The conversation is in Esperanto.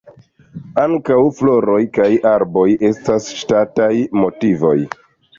Ankaŭ floroj kaj arboj estas ŝatataj motivoj.